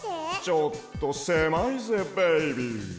ちょっとせまいぜベイビー！